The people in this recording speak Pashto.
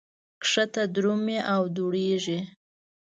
ښکته درومي او دوړېږي.